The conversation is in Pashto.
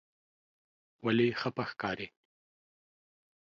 ولې خپه ښکارې؟